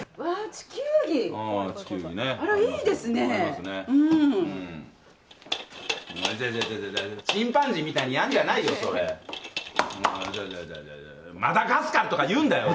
チンパンジーみたいにやるんじゃないよ。